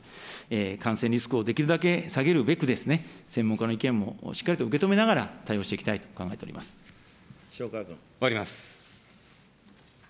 感染リスクをできるだけ下げるべく、専門家の意見もしっかりと受け止めながら、対応していきたい塩川君。